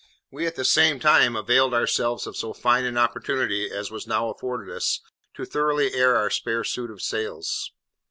We at the same time availed ourselves of so fine an opportunity as was now afforded us, to thoroughly air our spare suit of sails.